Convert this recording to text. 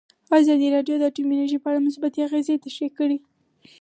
ازادي راډیو د اټومي انرژي په اړه مثبت اغېزې تشریح کړي.